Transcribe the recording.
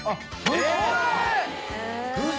えっ！